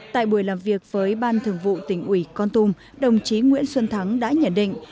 tại buổi làm việc với ban thường vụ tỉnh ủy con tum đồng chí nguyễn xuân thắng đã nhận định